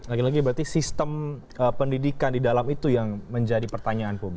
lagi lagi berarti sistem pendidikan di dalam itu yang menjadi pertanyaan publik